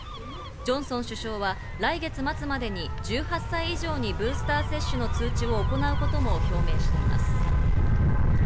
ジョンソン首相は来月末までに１８歳以上にブースター接種の通知を行うことも表明しています。